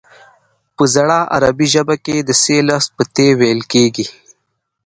په زړه عربي ژبه کې د ث لفظ په ت ویل کیږي